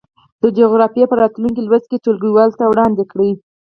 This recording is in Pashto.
د جغرافيې په راتلونکي لوست یې ټولګیوالو ته وړاندې کړئ.